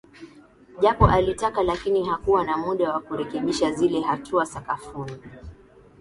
Japo alitaka lakini hakuwa na muda wa kurekebisha zile hatua sakafuni